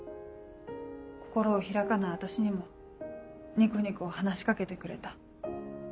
心を開かない私にもニコニコ話し掛けてくれた。